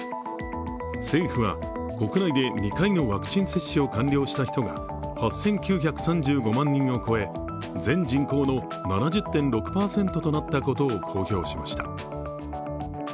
政府は国内で２回のワクチン接種を完了した人が８９３５万人を超え全人口の７０．６％となったことを公表しました。